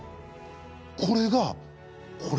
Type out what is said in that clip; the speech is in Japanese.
これがこれ？